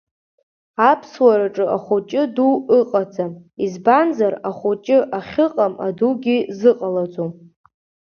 Аԥсуараҿы ахәыҷы-аду ыҟазам, избанзар, ахәыҷы ахьыҟам адугьы зыҟалаӡом.